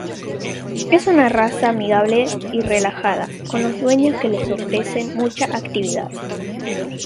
Es una raza amigable y relajada con los dueños que los ofrezcan mucha actividad.